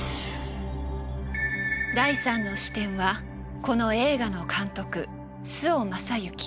第３の視点はこの映画の監督